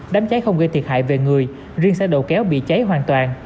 đám cháy không gây thiệt hại về người riêng xe đầu kéo bị cháy hoàn toàn